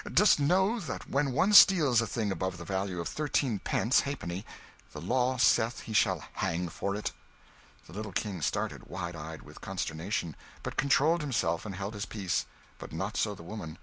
dost know that when one steals a thing above the value of thirteenpence ha'penny the law saith he shall hang for it?" The little King started, wide eyed with consternation, but controlled himself and held his peace; but not so the woman.